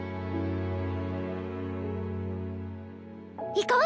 行こう！